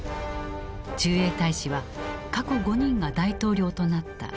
駐英大使は過去５人が大統領となった要職だった。